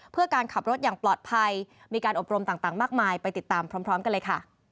เพื่อการขับรถอย่างปลอดภัยมีการอบรมต่างมากมายไปติดตามพร้อมกันเลยค่ะ